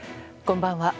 こんばんは。